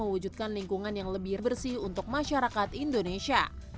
mewujudkan lingkungan yang lebih bersih untuk masyarakat indonesia